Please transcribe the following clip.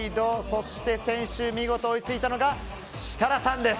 そして先週、見事追いついたのが設楽さんです。